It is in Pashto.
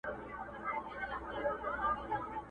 ورپسې د لويو لويو جنرالانو!!